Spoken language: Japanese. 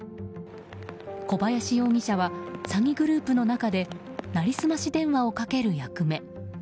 小林容疑者は詐欺グループの中で成り済まし電話をかける役目。